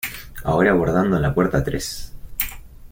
Ahora abordando en la puerta tres.